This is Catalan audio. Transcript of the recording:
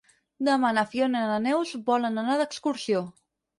Demà na Fiona i na Neus volen anar d'excursió.